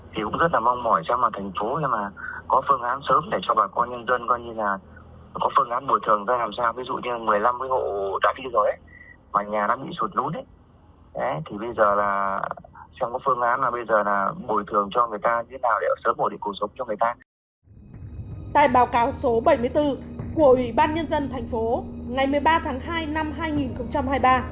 tại báo cáo số bảy mươi bốn của ủy ban nhân dân thành phố ngày một mươi ba tháng hai năm hai nghìn hai mươi ba